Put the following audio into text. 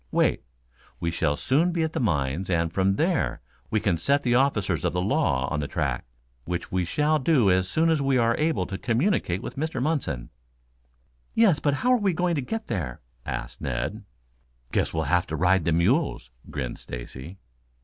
Wait. We shall soon be at the mines, and from there, we can set the officers of the law on the track, which we shall do as soon as we are able to communicate with Mr. Munson." "Yes, but how are we going to get there?" asked Ned. "Guess we'll have to ride the mules," grinned Stacy.